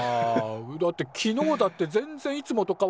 だって昨日だって全然いつもと変わんない。